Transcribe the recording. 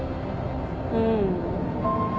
うん。